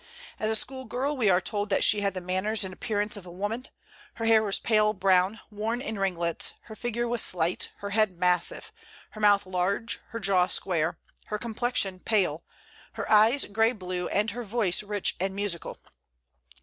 As a school girl we are told that she had the manners and appearance of a woman. Her hair was pale brown, worn in ringlets; her figure was slight, her head massive, her mouth large, her jaw square, her complexion pale, her eyes gray blue, and her voice rich and musical.